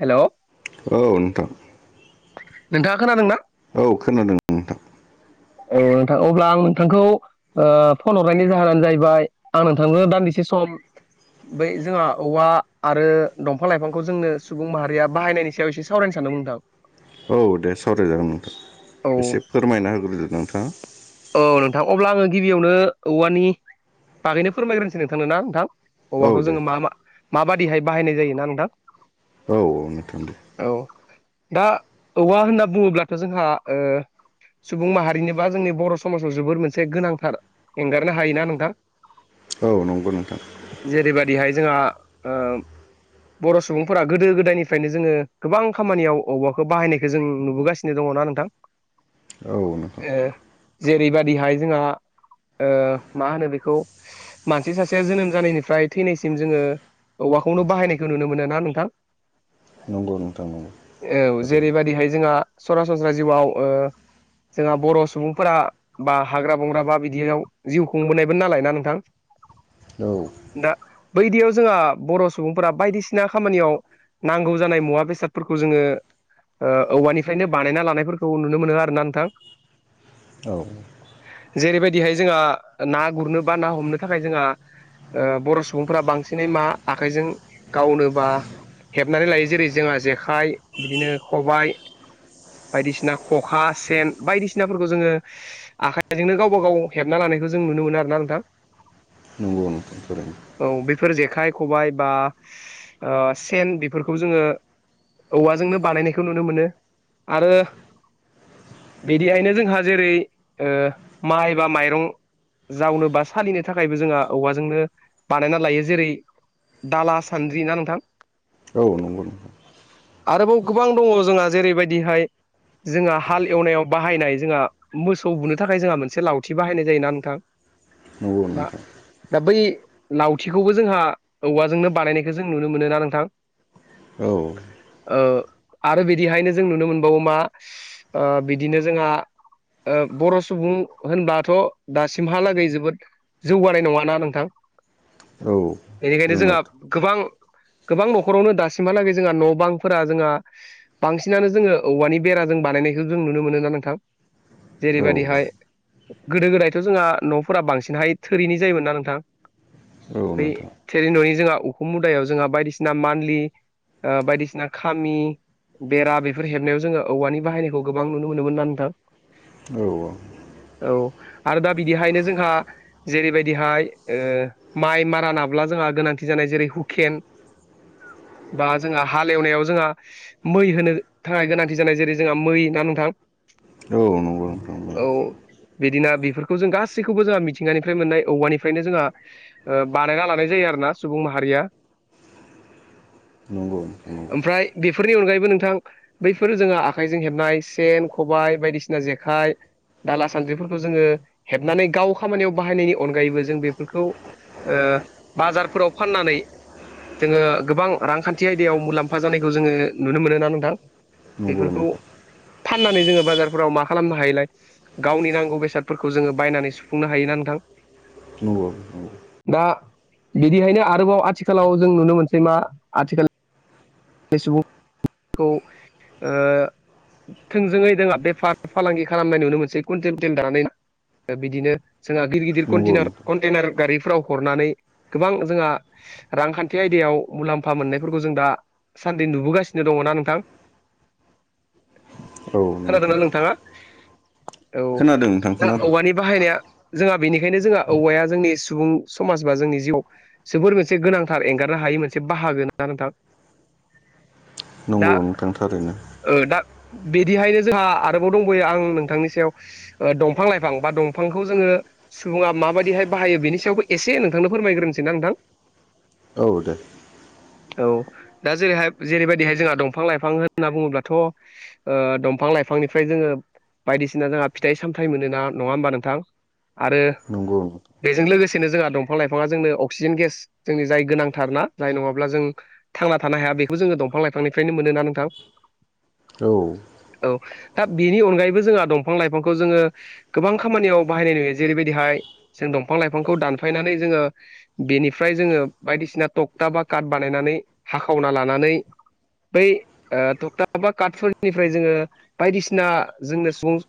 Hello औ नोंथां नोंथाङा खोनादों ना औ खोनादों नोंथां औ नोंथां अब्ला आं नोंथांखौ फन हरनायनि जाहोनानो जाहैबाय आं नोंथांजों दान्दिसे सम बै जोंहा औवा आरो दंफां लाइफांखौ जोंनो सुबुं माहारिया बाहायनायनि सायाव एसे सावरायनो सानदोंमोन नोंथां औ दे सावरायजागोन औ नोंथां एसे फोरमायना होग्रोदो नोंथाङा औ नोंथां अब्ला आङो गिबियावनो औवानि बागैनो फोरमायग्रोनोसै नोंथांन ना नोंथां औ अबावबाखौ दे जोङो मा माबादिहाय बाहायनाय जायोना नोंथां औ औ नोथांदो औ दा औवा होनना बुङोब्लाथ' जोंहा सुबुं माहारिनि बा जोंनि बर' समाजाव जोबोर मोनसे गोनांथार एंगारनो हायोना नोंथां औ नंगौ नोंथां जेरैबायदिहाय जोंहा बर' सुबुंफोरा गोदो गोदायनिफ्रायनो जोङो गोबां खामानियाव औबवाखौ बाहायनायखौ जों नुबोगासिनो दङना नोंथां औ नोंथां जेरैबायदिहाय जोंहा मा होनो बेखौ मानसि सासेया जोनोम जानायनिफ्राय थैनायसिम जोङो औवाखौनो बाहायनायखौ नुनो मोनो ना नोंथां नंगौ नोंथां नंगौ औ ओरैनो जेरैबायदिहाय जोंहा सरासनस्रा जिउआव जोंहा बर' सुबुं फोरा बा हाग्रा बंग्रा बा बिदियाव जिउ खुंबोनायबो नालायना नोंथां औ दा बैदियाव जोंहा बर' सुबुंफोरा बायदिसिना खामानियाव नांगौ जानाय मुवा बेसादफोरखौ जोङो। औवानिफ्रायनो बानायना लानायफोरखौ नुनो मोनो आरोना नोंथां। औ जेरैबायदिहाय जोंहा ना गुरनो बा ना हमनो थाखाय जोंहा। ओ बर' सुबुंफोरा बांसिनै मा आखाइजों गावनोबा हेबनानै लायो जेरै जोंहा जेखाइ बिदिनो खबाय। बायदिसिना खखा सेन बायदिसिना। सिनाफोरखौ जोङो आखाइजोंनो गावबा गाव हेबना लानायखौ जों नुनो मोनो आर ना नोंथां। नंगौ नोंथां औ बेफोर जेखाइ खबाइ बा सेन बेफोरखौ जोङो। औवाजोंनो बानायनायखौ नुनो मोनो आरो बेहायनो जोंहा जेरै माइ बा माइरं जावनो बा सालिनो थाखायबो जोंहा औवाजोंनो बानायना लायो जेरै दाला सानद्रि ना नोंथां। औ नंगौ नोंथां। आरोबाव गोबां दङ जोंहा जेरैबायदिहाय जोंहा हाल एवनायाव। बाहायनाय जोंहा मोसौ बुनो थाखाय जोंहा मोनसे लावथि बाहायनाय जायोना नोंथां। नंगौ बा नोंथां दा बै लावथिखौबो जोंहा औवाजोंनो बानायनायखौ जों नुनो मोनोना नोंथां। [unintelligible] औ ओ आरो बिदिहायनो जों नुनो मोनबावो मा बि बिदिनो जोंहा बर' सुबुं होनबाथ' दासिमहालागै जोबोद। जौगानाय नङाना नोंथां। औ बेनिखायनो जोंहा जोंनाथ' गोबां गोबां न'खरावनो दासिमहालागै जोंहा न' बांफोरा जोंहा। बांसिनानो जोङो औवानि बेराजों बानायनायखौ जों नुनो मोनो ना नोंथां। औ जेरैबायदिहाय। गोदो गोदायथ' जोंहा न'फोरा बांसिनहाय थोरिनि जायोमोन ना नोंथां। औ बै नोंथां थेरै न'नि जोंहा उखुम मुदायाव जोंहा बायदिसिना मान्थलि बायदिसिना खामि बेरा बेफोर हेबनायाव जोङो औवानि बाहायनायखौ गो गोबां नुनो मोनोमोन ना नोंथां। औ औ औ आरो दा बिदिहायनो जोंहा जेरैबायदिहाय। माइ मारा नाब्ला जोंहा गोनांथि जानाय जेरै हुकेन बा जोंहा हालेवनायाव जोंहा मै होनो थाखाय गोनांथि जानाय जेरै जोंहा मै दा नोंथां औ नंगौ औ बिदिना बेफोरखौ जों गासैखौबो जोंहा मिथिंगानिफ्राय मोननाय औवानिफ्रायनो जोंहा। बानायना लानाय जायो आरोना सुबुं माहारिया। नंगौ। नंगौ ओमफ्राय बेफोरनि अनगायैबो नोंथां बैफोर जोंङो आखाइजों हेबनाय। सेन खबाय बायदिसिना जेखाइ दाला सान्द्रिफोरखौ जोङो हेबनानै गाव खामानियाव बाहायनायनि अनगायैबो जों बेफोरखौ। बाजारफोराव फाननानै। जोङो गोबां रांखान्थि आयदायाव मुलाम्फा जानायखौ जोङो नुनो मोनोना नोंथां। नंगौ। बेफोरखौ फाननानै जोङो बाजारफोराव मा खालामनो हायलाय। गावनि नांगौ बेसादफोरखौ जोङो बायनानै सुफुंनो हायोना नोंथां। नंगौ नंगौ। दा बिदिहायनो आरोबाव आथिखालाव जों नुनो मोनसै मा आथिखाल बे सुबुंखौ ओ थोंजोङै दोङहा बेफार फालांगि खालामनाय नुनो मोनसे कन्टेमटन्डारानानै बिदिनो जोंहा गिदिर गिदिर नंगौ कार नोंथां कन्टेनार गारिफ्राव हरनानै गोबां जोंहा रांखान्थि आयदायाव मुलाम्फा मोननायफोरखौ जों दा सान्दि नुबोगासिनो दङना नोंथां औ नोंथां खोनादोंना नोंथाङा औ खोनादों नोंथां दा खोनादों औवानि बाहायनाया जोंहा बेनिखायनो जोंहा औवाया जोंनि सुबुं समाज बा जोंनि जिउआव जोबोर मोनसे गोनांथार एंगारनो हायि मोनसे बाहागो ना नोंथां दा नंगौ नोंथां थारैनो दा बिदिहायनो जोंहा आरोबाव दंबावयो आं नोंथांनि सायाव दंफां लाइफां बा दंफांखौ जोङो सुबुङा माबायदिहाय बाहायो बेनि सायावबो एसे नोंथांनो फोरमायग्रोनोसै नां नोंथां औ दे औ दा जेरैहाय जेरैबायदिहाय जोंहा दंफां लाइफां होनना बुङोब्लाथ' दंफां लाइफांनिफ्राय जोङो बायदिसिना जोंहा फिथाइ सामथायाइ मोनोना नङा होमबा नोंथां आरो नंगौ औ बेजों लोगोसेनो जोंहा दंफां लाइफाङा जोंनो अक्सिजेन गेस जोंनि जाय गोनांथारनाा जाय नङाब्ला जों थांना थानो हाया बेखौ जोङो दंफां लाइफांनिफ्रायनो मोनोना नोंथां औ औ दा बेनि अनगायैबो जोंहा दंफां लाइफांखौ जोङो गोबां खामानियाव बाहायनाय नुयो जेरैबायदिहाय जों दंफां लाइफांखौ दानफायनानै जोङो बेनिफ्राय जोङो बायदिसिना टक्था बा काट बानायनानै हाखावना लानानै बै थकथाबा काटफोरनिफ्राय जोङो बायदिसिना जोंनो सुबुं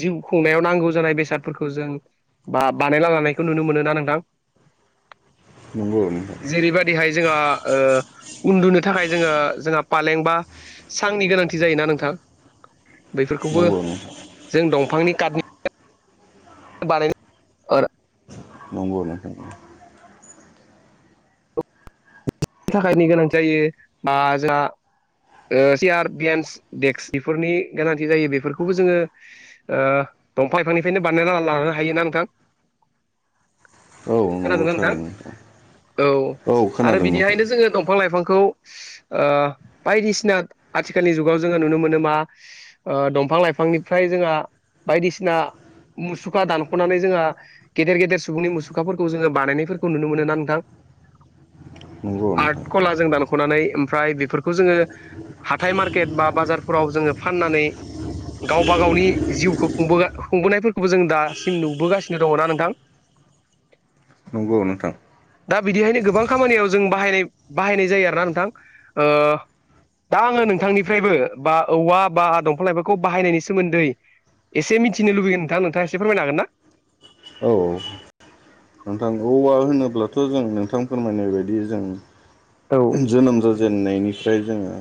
जिउ खुंनायाव नांगौ जानाय बेसादफोरखौ जों बा- बानायना लानायखौ नुनो मोनोोना नोंथां [inaudible] नंगौ नोंथां जेरैबायदिहाय जोंहा उन्दुनो थाखाय जोङो जोंहा फालें बा सांनि गोनांथि जायोना नोंथां बैफोरखौबो नंगौ नोंथां जों दंफांनि काथनि बानाय [unintelligible] औ नंगौ बिनि थाखायनो गोनां जायो बा जोंहा सियार बेन्स देक्स बेफोरनि गोनांथि जायो बेफोरखौबो जोङो दंफां लाइफांनिफ्रायनो बानाय लानो हायोना नोंथां औ नंगौ थारैनो नोंथां औ औ खोनादों फ्रायनो जों दंफां लाइफांखौ बायदिसिना आथिखालनि जुगाव जोङो नुनो मोनो मा दंफां लाइफांनिफ्राय जोंहा बायदिसिना मुसुखा दानख'नानै जोंहा गेदेर गेद सुबुंनि मुसुखाफोरखौ जोङो बानायनायफोरखौ नुनो मोनो ना नोंथां नंगौ आर्ट नोंथां कला जों दानख'नानै ओमफ्राय बेफोरखौ जोङो हाथाय मार्केट बा बाजारफोराव जोङो फाननानै गावबा गावनि जिउखौबो खुंबोनायफोरखौबो जों दासिम नुबोगासिनो दङ ना नोंथां नंगौ नोंथां दा बिदिहायनो गोबां खामानियाव जों बाहायनाय बाहायनाय जायो आरोना नोंथां दा आङो नोंथांनिफ्रायबो बा औवा बा दंफां लाइफोरखौ बाहायनायनि सोमोन्दै एसे मिथिनो लुबैगोन नोंथां नोंथाङा एसे फोरमायना होनो हागोन ना औ नोंथां औवा होनोब्लाथ' जों नोंथां फोरमायनाय बदि जों औ जोनोम जाजेननायनिफ्राय जोङो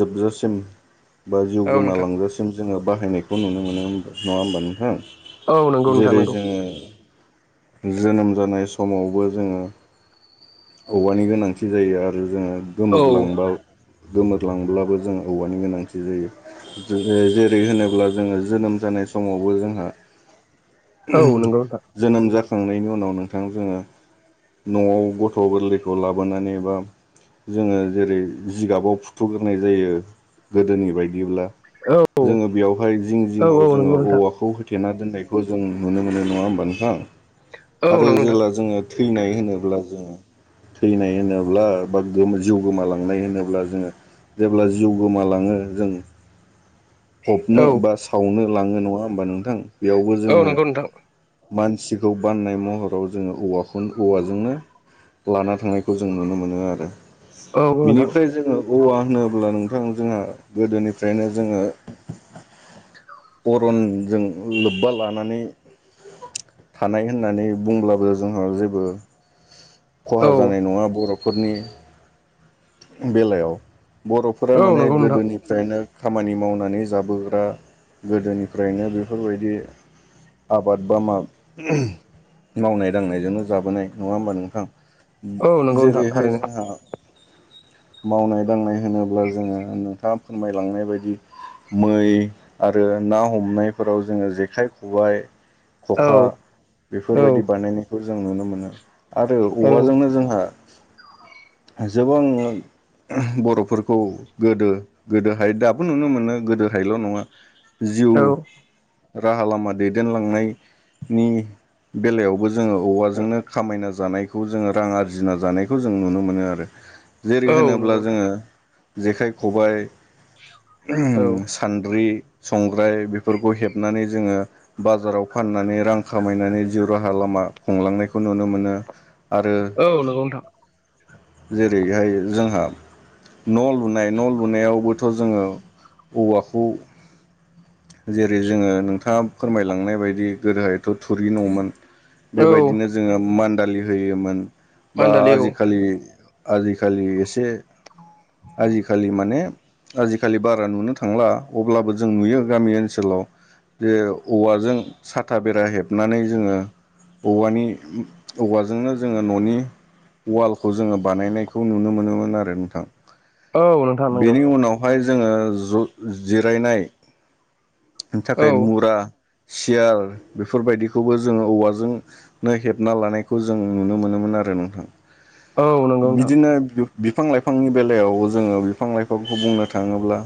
जोबजासिम बा जिउ औ नोंथां गोमालांगजासिम जोङो बाहायनायखौ नुनो मोनो नङा होमबा औ नंगौ नोंथां नोंथां जेरै नंगौ जोङो जोनोम जानाय समावबो जोङो औवानि गोनांथि जायो आरो जोङो औ गोमोरलांब गोमोरलांब्लाबो जों औवानि गोनांथि जायो जेरै होनोब्ला जोङो जोनोम जानाय समावबो जोंहा औ नंगौ नोंथां जोनोम जाखांनायनि उनाव नोंथां जोङो न'आव गथ' गोरलैखौ लाबोनानै बा जोङो जेरै जिगाबाव फुथ'ग्रोनाय जायो गोदोनि बायदिब्ला औ जोङो औ बेवहाय जिं जिङाव औ जोङो नंगौ नोंथां औवाखौ हो होथेना दोननायखौ जों नुनो मोनो नङा होमबा नोंथां औ आरो नंगौ नोंथां जेला जोङो थैनाय होनोब्ला जों थैनाय होनोब्ला बा गो जिउ गोमालांनाय होनोब्ला जोङो जेब्ला जिउ गोमालाङो जों [inaudible] फबनो औ बा सावनो लाङो नङा होमबा नोंथां बेयावबो औ जोङो नंगौ नोंथां मानसिखौ बाननाय महराव जोङो औवाखौ औवाजोंनो लाना थांनायखौ जों नुनो मोनो आरो औ नोंथां बिनिफ्राय जोङो औवा होनोब्ला नोंथां जोंहा गोदोनिफ्रायनो जोङो अरनजों लोब्बा लानानै थानाय होननानै बुंब्लाबो जोंहा जे जेबो खहा औ जानाय नङा बर' फोरनि बेलायाव बर'फोरा औ माने नंगौ नोंथां गोदोनि निफ्रायनो खामानि मावनानै जाबोग्रा गोदोनिफ्रायनो बेफोरबायदि आबाद बा मा मावनाय दांनायजोंनो जाबोनाय नङा होमबा नोंथां औ नंगौ नोंथां जेरैहाय थारैनो जोंहा मावनाय दांनाय होनोब्ला जोङो नोंथाङा फोरमायलांनाय बायदि मै आरो ना हमनायफोराव जोङो जेखाइ खबाइ औ खखा औ बेफोरबायदि बानायनायखौ जों नुनो मोनो। आरो औ औवाजोंनो जोंहा जोबां बर'फोरखौ गोदो गोदोहाय दाबो नुनो मोनो गोदोहायल' नङा जिउ औ राहा लामा दैदेनलांनायनि बेलायावबो जोङो औवाजोंनो खामायना जानायखौ जोङो रां आरजिना जानायखौ जों नुनो मोनो आरो। जेरै औ होनोब्ला नंगौ नोंथां जोङो औ जेखाइ खबाइ सानद्रि संग्राय बेफोरखौ हेबनानै जोङो बाजाराव फाननानै रां खामायनानै जिउ राहा लामा हमलांनायखौ नुनो मोनो आरो औ नंगौ नोंथां जेरैहाय जोंहा न' लुनाय न' लुनायावबोथ' जोङो औवाखौ जेरै जोङो नोंथाङा फोरमायलांनाय बायदि गोदोहायथ' थुरि न'मोन औ बेबायदिनो जोङो मान्दालि होयोमोन बा मान्दालि औ आजिखालि आजिखालि एसे आजिखालि माने आजिखालि बारा नुनो थांला अब्लाबो जों नुयो गामि ओनसोलाव जे औवाजों साथा बेरा हेबनानै जोङो औवानि औवाजोंनो जोङो न'नि उवालखौ जोङो बानायनायखौ नुनो मोनोमोन आरो नोंथां। औ नों बेनि उनावहाय जोङो ज जिरायनाय औ थाखाय मुरा सियार बेफोरबायदिखौबो जोङो औवाजों हेबना लानायखौ जों नुनो मोनोमोन आरो नोंथां। औ नंगौ नोंथां बिदिनो बिफां लाइफांनि बेलायाव जोङो बिफां लाइफांखौ बुंनो थाङोब्ला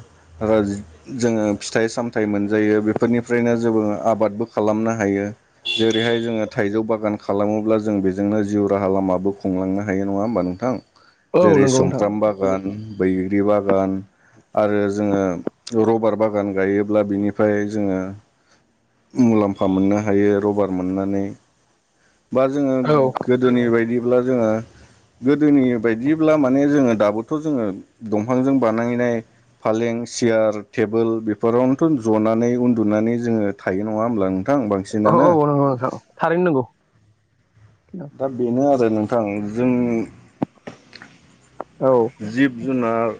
राजि जोङो फिथाइ सामथाइ मोनजायो बेफोरनिफ्रायनो जोबो आबादबो खालामनो हायो। जेरैहाय जोङो थाइजौ बागान खालामोब्ला जों बेजोंनो जिउ राहा लामाबो खुंलांनो हायो नङा होमबा नोंथां? औ जेरै नंगौ नोंथां सुमफ्राम बागान बैग्रि बागान। आरो जोङो रबार बागान गायोब्ला बिनिफ्राय जोङो मुलाम्फा मोननो हायो रबार मोननानै बा जोङो औ गोदोनि बायदिब्ला जोङो गोदोनि बायदिब्ला माने जोङो दाबोथ' जोङो दंफांजों बानायनाय फालें सियार टेबोल बेफोरावनोथ' जनानै उन्दुनानै जोंङो थायो नङा होमब्ला। नोंथां औ बांसिनानो औ नंगौ नोंथां थारैनो नंगौ। दा बेनो आरो नोंथां जोंनि औ जिब जुनार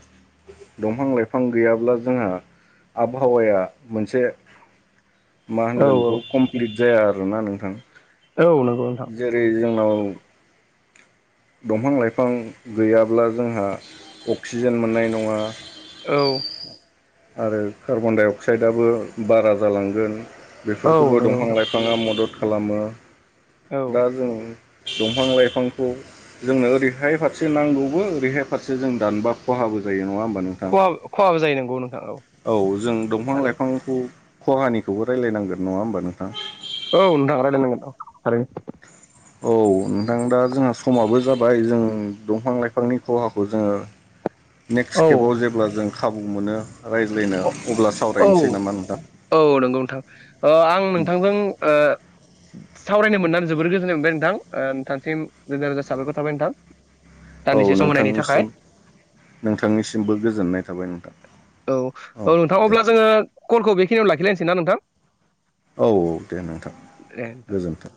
दंफां लाइफां गैयाब्ला जोंहा आबहावाया मोनसे मा होनगोन बेखौ औ कमप्लिट जाया आरोना नोंथां। औ नंगौ नोंथां जेरै जोंनाव दंफां लाइफां गैयाब्ला जोंहा अक्सिजेन मोननाय नङा औ आरो कार्बनडाइ अक्साइदआबो बारा जालांगोन। औ बेफोरखौबो नंगौ दंफां नोंथां लाइफाङा मदद खालामो औ दा जों दंफां लाइफांखौ जोंनो ओरैहाय फारसे नांगौबो ओरैहाय फारसे जों दानबा खहाबो जायो नङा होमबा नोंथां खहा खहाबो जायो नोंगौ नोंथां औ। औ जों दंफां थारैनो लाइफांखौ खहानिखौबो रायलाय नांगोन नङा होमबा नोंथां। औ नोंथां रायलायनांगोन औ थारैनो। औ नोंथां दा जोंहा समाबो जाबाय जों दंफां लाइफांनि खहाखौ जोंङो [inaudible] नेक्स्ट खेबाव जेब्ला जों खाबु मोनो रायज्लायनो अब्ला औ सावरायनोसै नामा नोंथां। औ नंगौ नोंथां आं नोंथांजों सावरायनो मोननानै जोबोर गोजोननाय मोनबाय नोंथां नोंथांसिम रोजा रोजा साबायखर थाबाय नोंथां। औ दानदिसे सम होनायनि नोंथांनिसिम थाखाय। नोंथांनिसिमबो गोजोननाय थाबाय नोंथां। औ औ नोंथां अब्ला जोंङो कलखौ बेखिनियावनो लाखिलायनोसैना नोंथां। औ औ दे नोंथां दे नोंथां गोजोन्थों।